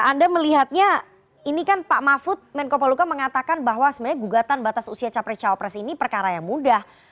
anda melihatnya ini kan pak mahfud menko poluka mengatakan bahwa sebenarnya gugatan batas usia capres cawapres ini perkara yang mudah